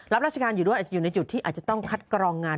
ราชการอยู่ด้วยอาจจะอยู่ในจุดที่อาจจะต้องคัดกรองงาน